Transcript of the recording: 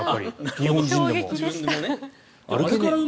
日本人でも。